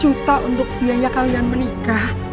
lima puluh juta untuk biaya kalian menikah